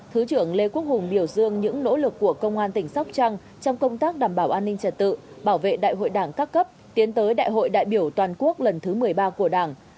thứ trưởng lê quốc hùng biểu dương những nỗ lực của công an tỉnh sóc trăng trong công tác đảm bảo an ninh trật tự bảo vệ đại hội đảng các cấp tiến tới đại hội đại biểu toàn quốc lần thứ một mươi ba của đảng